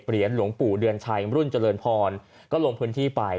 เหรียญหลวงปู่เดือนชัยรุ่นเจริญพรก็ลงพื้นที่ไป